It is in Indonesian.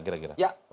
ya maksudnya jelas